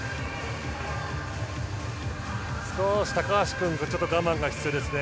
少し高橋君、我慢が必要ですね